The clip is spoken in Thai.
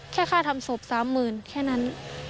แค่ค่าทำศพ๓๐๐๐แค่นั้น